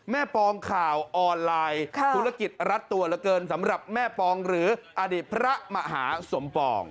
ปองข่าวออนไลน์ธุรกิจรัดตัวเหลือเกินสำหรับแม่ปองหรืออดีตพระมหาสมปอง